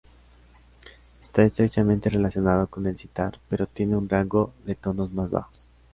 Está estrechamente relacionado con el sitar, pero tiene un rango de tonos más bajos.